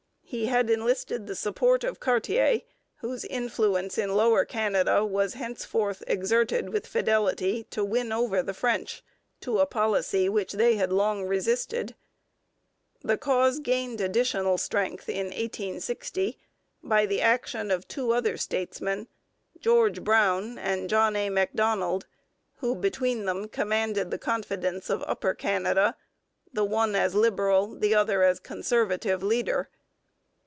He had enlisted the support of Cartier, whose influence in Lower Canada was henceforth exerted with fidelity to win over the French to a policy which they had long resisted. The cause attained additional strength in 1860 by the action of two other statesmen, George Brown and John A. Macdonald, who between them commanded the confidence of Upper Canada, the one as Liberal, the other as Conservative leader.